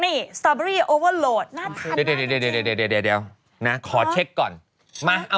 มีเบาะปีซะหล่อทุกคนค่ะคุณแม่